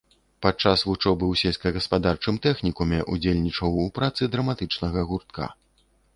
Падчас вучобы ў сельскагаспадарчым тэхнікуме ўдзельнічаў у працы драматычнага гуртка.